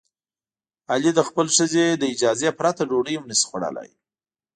علي د خپلې ښځې له اجازې پرته ډوډۍ هم نشي خوړلی.